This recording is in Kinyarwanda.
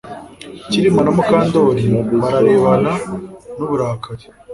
Kirima na Mukandoli bararebana nuburakari